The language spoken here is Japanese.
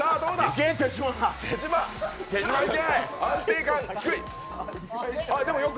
いけ手島、手島いけ！